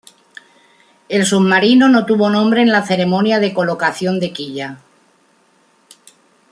El submarino no tuvo nombre en la ceremonia de colocación de quilla.